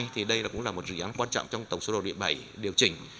thì đây cũng là một dự án quan trọng trong tổng số đồ điện bảy điều chỉnh